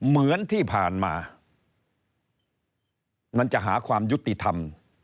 มันจะหาความยุติธรรม